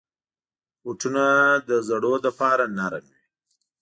بوټونه د زړو لپاره نرم وي.